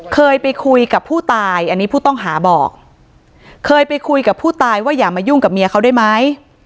เคยไปคุยกับผู้ตายอันนี้ผู้ต้องหาบอกเคยไปคุยกับผู้ตายว่าอย่ามายุ่งกับเมียเขาได้ไหม